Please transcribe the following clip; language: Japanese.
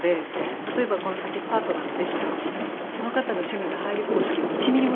例えばこの先パートナーができたとしてその方の趣味が入り込む隙は１ミリもないんです